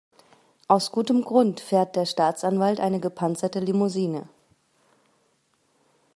Aus gutem Grund fährt der Staatsanwalt eine gepanzerte Limousine.